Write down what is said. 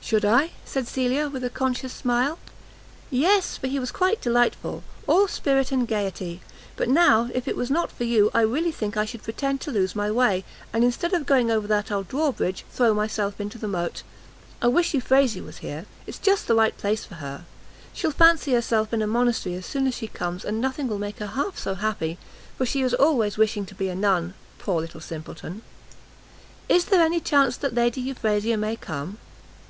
"Should I?" said Cecilia, with a conscious smile. "Yes, for he was quite delightful; all spirit and gaiety, but now, if it was not for you, I really think I should pretend to lose my way, and instead of going over that old draw bridge, throw myself into the moat. I wish Euphrasia was here. It's just the right place for her. She'll fancy herself in a monastery as soon as she comes, and nothing will make her half so happy, for she is always wishing to be a Nun, poor little simpleton. "Is there any chance that Lady Euphrasia may come?"